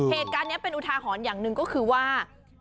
เหตุการณ์นี้เป็นอุทาหรณ์อย่างหนึ่งก็คือว่า